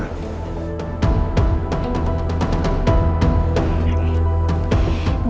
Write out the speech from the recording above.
ada kesan apa